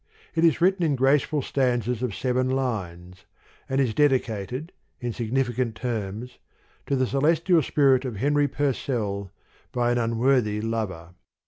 " It is written in graceful stanzas of seven lines, and dedicated, in significant terms, To the Celestial Spirit of Henry Pur cell by an Unworthy Lover.